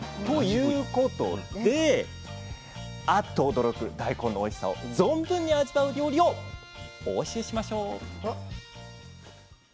ということであっと驚く大根のおいしさを存分に味わう料理をお教えしましょう。